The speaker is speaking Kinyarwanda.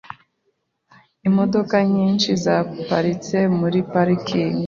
Imodoka nyinshi zaparitse muri parikingi.